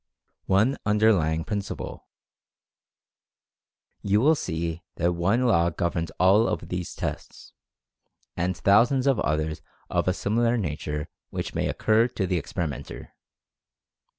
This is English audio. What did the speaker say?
ONE UNDERLYING PRINCIPLE. You will see that one law governs all of these tests, and thousands of others of a similar nature which may occur to the experimenter.